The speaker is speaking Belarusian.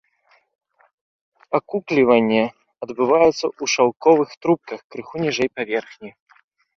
Акукліванне адбываецца ў шаўковых трубках, крыху ніжэй паверхні.